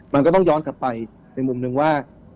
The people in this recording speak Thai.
มันก็ต้องย้อนกลับไปในมุมหนึ่งว่า